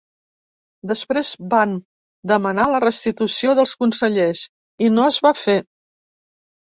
Després vam demanar la restitució dels consellers i no es va fer.